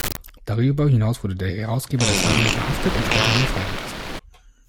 Darüber hinaus wurde der Herausgeber der Zeitung verhaftet und später wieder freigelassen.